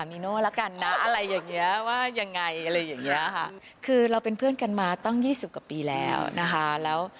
จีบไม่จีบเนี่ยพี่โน่ผิดบอกเลยค่ะ